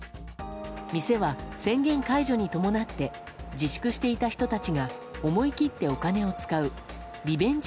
店は、宣言解除に伴って自粛していた人たちが思い切ってお金を使うリベンジ